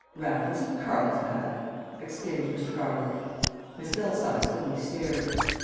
"Raffles at Carlsbad?" exclaimed Mr. Garland. Miss Belsize only stared.